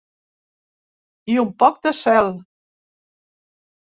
I un poc de cel.